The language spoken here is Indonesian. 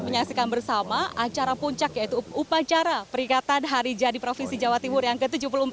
seperti yang sudah saya sampaikan kita sempat menyaksikan bersama acara puncak yaitu upacara peringatan hari jadi provinsi jawa timur yang ke tujuh puluh empat